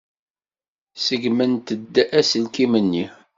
Ṣeggment-d aselkim-nni?